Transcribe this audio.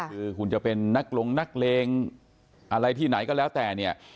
คือคุณจะเป็นนักลงนักเลงอะไรที่ไหนก็แล้วแต่เนี่ย